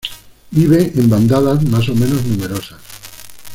Vive en bandadas más o menos numerosas.